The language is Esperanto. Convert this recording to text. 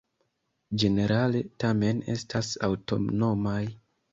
Ĝenerale tamen estas aŭtonomaj.